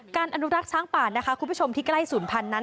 อนุรักษ์ช้างป่านะคะคุณผู้ชมที่ใกล้ศูนย์พันธุ์นั้น